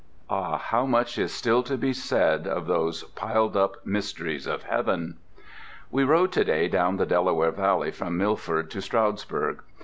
Ah, how much is still to be said of those piled up mysteries of heaven! We rode to day down the Delaware Valley from Milford to Stroudsburg.